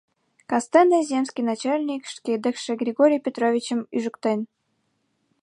Кастене земский начальник шке декше Григорий Петровичым ӱжыктен.